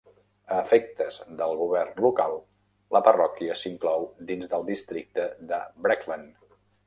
A efectes del govern local, la parròquia s'inclou dins del districte de Breckland.